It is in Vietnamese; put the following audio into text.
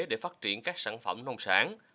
để phát triển các sản phẩm nông sản